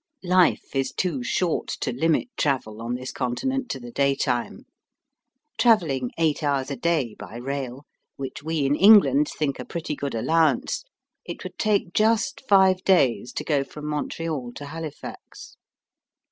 Life is too short to limit travel on this continent to the daytime. Travelling eight hours a day by rail, which we in England think a pretty good allowance, it would take just five days to go from Montreal to Halifax.